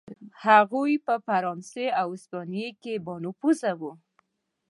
هغوی په فرانسې او هسپانیې کې بانفوذه و.